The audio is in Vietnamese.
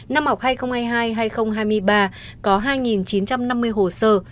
năm học hai nghìn hai mươi hai hai nghìn hai mươi ba có hai chín trăm năm mươi hồ sơ